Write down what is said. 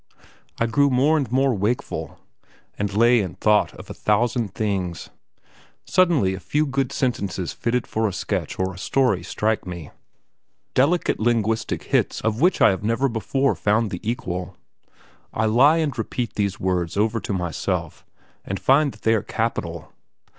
I grew more and more wakeful, and lay and thought of a thousand things. Suddenly a few good sentences fitted for a sketch or story strike me, delicate linguistic hits of which I have never before found the equal. I lie and repeat these words over to myself, and find that they are capital.